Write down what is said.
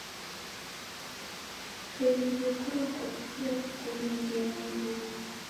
Kuseliw'e kurwa kofia kukulindie na iruw'a.